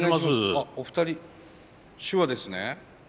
お二人手話ですね？